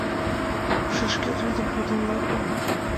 Умшашкет вӱдым подылынат мо?